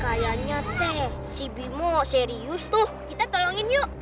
kayaknya teh si bimo serius tuh kita tolongin yuk